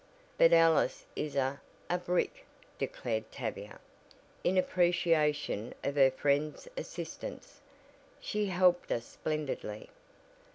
"But Alice is a a brick!" declared Tavia, in appreciation of her friend's assistance. "She helped us splendidly."